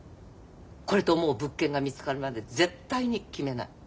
これと思う物件が見つかるまで絶対に決めない。